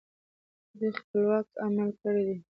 دوی خپلواک عمل کړی دی